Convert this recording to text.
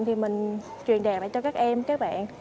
thì mình truyền đàn lại cho các em các bạn